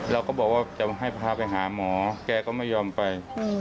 เราก็บอกว่าจะให้พาไปหาหมอแกก็ไม่ยอมไป